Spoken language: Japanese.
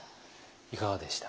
いかがでした？